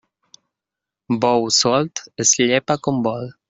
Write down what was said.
Bou solt es llepa com vol.